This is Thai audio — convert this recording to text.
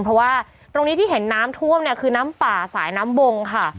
เพราะว่าตรงนี้ที่เห็นน้ำท่วมเนี่ยคือน้ำป่าสายน้ำบงค่ะ